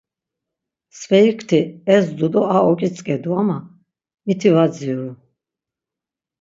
Mskverik ti ezdu do a oǩitzǩedu ama miti var dziru.